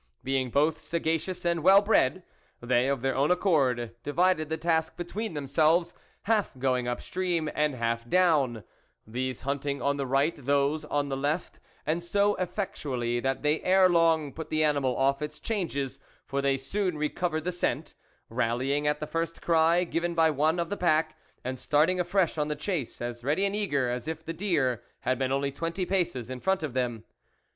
Being both sagacious and well bred, they, of their own accord, divided the task between themselves, half going up stream, and half down, these hunting on the right those on the left, and so effectually that they ere long put the animal off its changes, for they soon recovered the scent, rallying at the first cry given by one of the pack, and starting afresh on the chase, as ready and eager as if the deer had been only twenty paces in front of them.